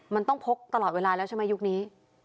มันต้องพกตลอดเวลาแล้วใช่ไหมยุคนี้